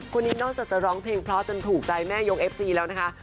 คนนี้นอกจากจะร้องเพลงเพราะจนถูกใจแม่ยกเอฟซีแล้วนะคะ